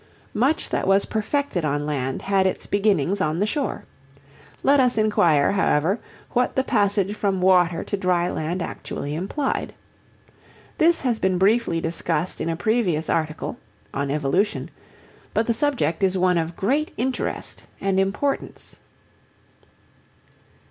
Much that was perfected on land had its beginnings on the shore. Let us inquire, however, what the passage from water to dry land actually implied. This has been briefly discussed in a previous article (on Evolution), but the subject is one of great interest and importance.